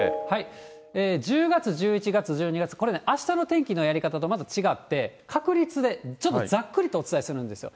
１０月、１１月、１２月、これね、あしたの天気のやり方とまず違って、確率で、ちょっとざっくりとお伝えするんですよ。